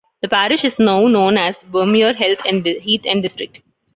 The parish is now known as "Bomere Heath and District".